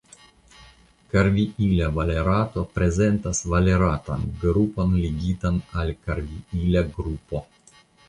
Karviila valerato prezentas valeratan grupon ligitan al karviila grupo.